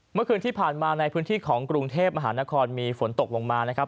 เมื่อคืนที่ผ่านมาในพื้นที่ของกรุงเทพมหานครมีฝนตกลงมานะครับ